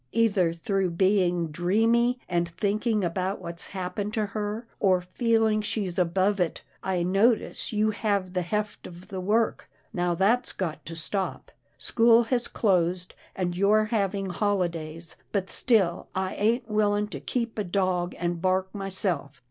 Either through being dreamy, and thinking about what's happened to her, or feeling she's above it, I notice you have the 296 'TILDA JANE'S ORPHANS heft of the work. Now that's got to stop. School has closed, and you're having holidays, but still I ain't willing to keep a dog and bark myself.